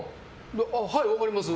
はい、分かります。